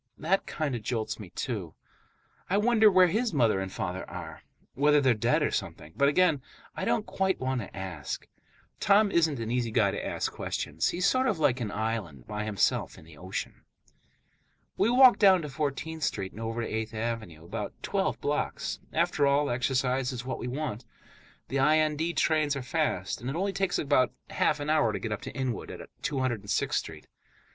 That kind of jolts me, too. I wonder where his mother and father are, whether they're dead or something; but again, I don't quite want to ask. Tom isn't an easy guy to ask questions. He's sort of like an island, by himself in the ocean. We walk down to Fourteenth Street and over to Eighth Avenue, about twelve blocks; after all, exercise is what we want. The IND trains are fast, and it only takes about half an hour to get up to Inwood, at 206th Street.